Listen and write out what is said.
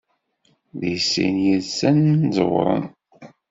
Deg sin yid-sen ẓewren.